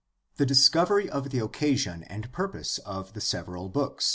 The discovery of the occasion and purpose of the several books.